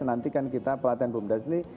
nanti kan kita pelatihan bumdes ini